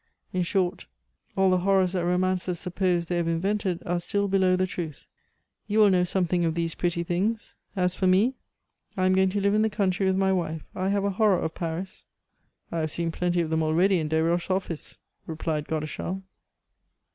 In short, all the horrors that romancers suppose they have invented are still below the truth. You will know something of these pretty things; as for me, I am going to live in the country with my wife. I have a horror of Paris." "I have seen plenty of them already in Desroches' office," replied Godeschal.